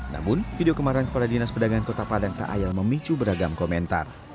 namun video kemarin kepala dinas pedagang kota padang tak ayal memicu beragam komentar